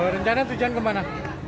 rencana tujuan kemana